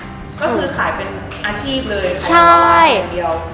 ก็คือขายเป็นอาชีพเลย